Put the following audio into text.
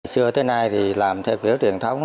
xưa tới nay thì làm theo kiểu truyền thống